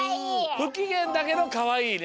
ふきげんだけどかわいいね。